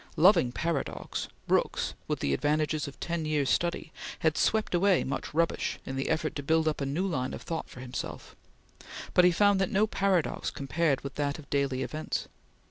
Loving paradox, Brooks, with the advantages of ten years' study, had swept away much rubbish in the effort to build up a new line of thought for himself, but he found that no paradox compared with that of daily events.